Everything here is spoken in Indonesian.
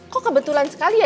kok kebetulan sekali ya